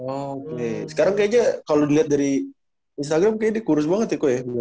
oke sekarang kayaknya kalo diliat dari instagram kayaknya dia kurus banget ya kok ya